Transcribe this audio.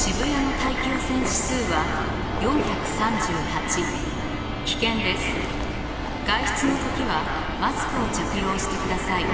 外出の時はマスクを着用してください」。